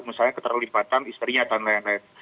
misalnya keterlibatan istrinya dan lain lain